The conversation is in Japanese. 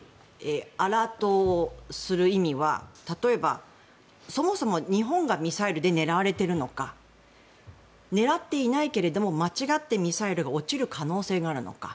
アラートをする意味は例えば、そもそも日本がミサイルで狙われているのか狙っていないけれども間違ってミサイルが落ちる可能性があるのか。